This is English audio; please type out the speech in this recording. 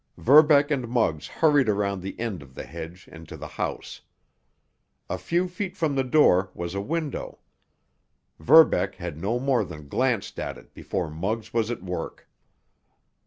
Verbeck and Muggs hurried around the end of the hedge and to the house. A few feet from the door was a window. Verbeck had no more than glanced at it before Muggs was at work.